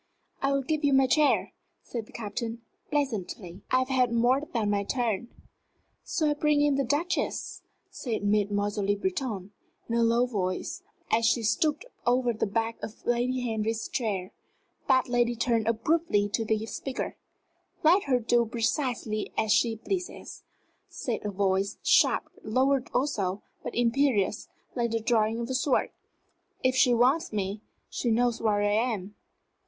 "I will give you my chair," said the Captain, pleasantly. "I have had more than my turn." "Shall I bring in the Duchess?" said Mademoiselle Le Breton, in a low tone, as she stooped over the back of Lady Henry's chair. That lady turned abruptly to the speaker. "Let her do precisely as she pleases," said a voice, sharp, lowered also, but imperious, like the drawing of a sword. "If she wants me, she knows where I am."